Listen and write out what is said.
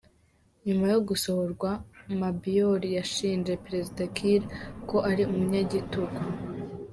Nyuma yo gusohorwa, Mabior yashinje Perezida Kiir ko ari umunyagitugu.